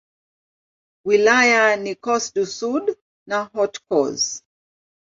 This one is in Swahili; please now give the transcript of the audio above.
Wilaya ni Corse-du-Sud na Haute-Corse.